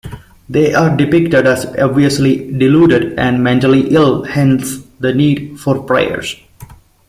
They are depicted as obviously deluded and mentally ill, hence the need for prayers.